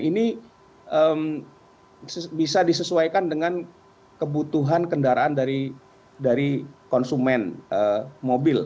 ini bisa disesuaikan dengan kebutuhan kendaraan dari konsumen mobil